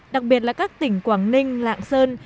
đặc biệt là các tỉnh quảng ninh lạng sơn